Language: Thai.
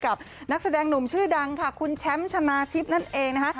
กับนักแสดงหนุ่มชื่อดังค่ะคุณแชมป์ชนะทิพย์นั่นเองนะคะ